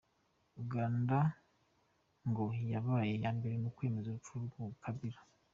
Uganda ngo yabaye nyambere mu kwemeza urupfu rwa Kabila.